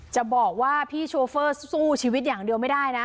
จะบอกว่าพี่โชเฟอร์สู้ชีวิตอย่างเดียวไม่ได้นะ